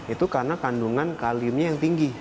itu karena kandungan kaliumnya yang tinggi